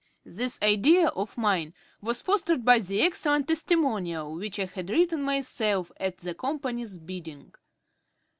This idea of mine was fostered by the excellent testimonial which I had written myself at the Company's bidding.